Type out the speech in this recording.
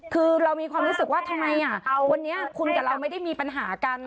คือเรามีความรู้สึกว่าทำไมวันนี้คุณกับเราไม่ได้มีปัญหากัน